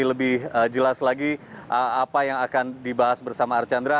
lebih jelas lagi apa yang akan dibahas bersama archandra